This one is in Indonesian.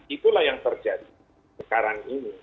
itulah yang terjadi sekarang ini